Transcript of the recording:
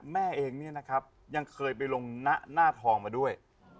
แม่เองเนี่ยนะครับยังเคยไปลงหน้าทองมาด้วย